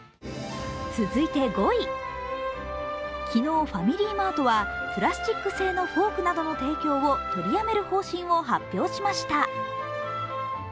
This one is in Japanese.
続いて５位、昨日、ファミリーマートはプラスチック製のフォークなどの提供を取りやめる方針を発表しました。